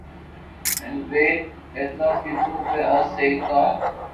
ھين ٻئير اينو ڪيدو ڪو اي سائين ڪاو